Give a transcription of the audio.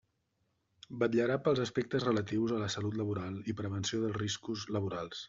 Vetllarà pels aspectes relatius a la salut laboral i prevenció dels riscos laborals.